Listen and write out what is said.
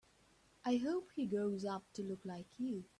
I hope he grows up to look like you.